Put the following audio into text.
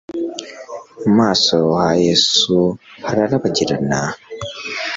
mu maso ha Yesu hararabagirana,